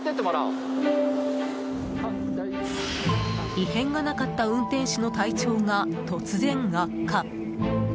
異変がなかった運転手の体調が突然悪化。